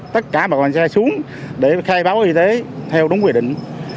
tất cả bà con sẽ xuống để khai báo y tế theo đúng quy định